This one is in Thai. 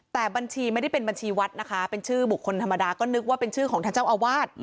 แต่บัญชีไม่ได้เป็นบัญชีวัดนะคะเป็นชื่อบุคคลธรรมดาก็นึกว่าเป็นชื่อของท่านเจ้าอาวาส